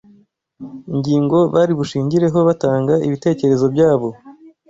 ingingo bari bushingireho batanga ibitekerezo byabo